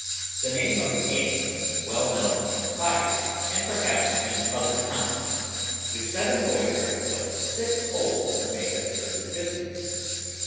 The name of a game well known in Fife, and perhaps in other counties. If seven boys are to play, six holes are made at certain distances.